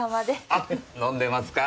あ飲んでますか？